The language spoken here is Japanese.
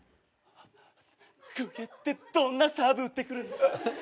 公家ってどんなサーブ打ってくるんだ？